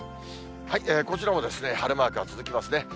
こちらも晴れマークが続きますね。